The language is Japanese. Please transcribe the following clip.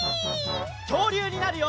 きょうりゅうになるよ！